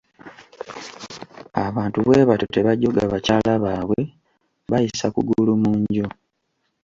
Abantu bwe batyo tebajooga bakyala baabwe bayisa kugulu mu nju.